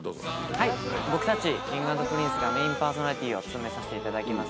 はい僕たちＫｉｎｇ＆Ｐｒｉｎｃｅがメインパーソナリティーを務めさせていただきます